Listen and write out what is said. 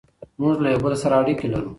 موږ له یو بل سره اړیکي لرو.